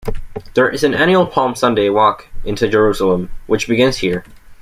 There is an annual Palm Sunday walk into Jerusalem which begins here.